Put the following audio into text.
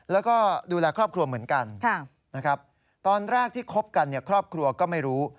แล้วก็ดูแลครอบครัวเหมือนกันนะครับตอนแรกที่คบกันครอบครัวก็ไม่รู้